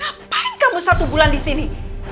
ngapain kamu satu bulan disini